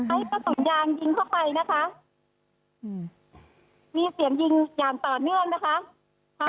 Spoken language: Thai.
มีเสียงยิงอย่างต่อเนื่องนะคะ